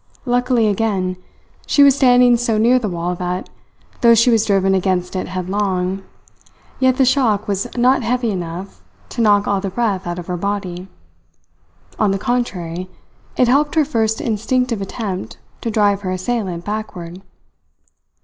Luckily, again, she was standing so near the wall that, though she was driven against it headlong, yet the shock was not heavy enough to knock all the breath out of her body. On the contrary, it helped her first instinctive attempt to drive her assailant backward.